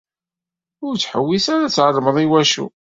Ur ttḥewwis ara ad tɛelmeḍ iwacu.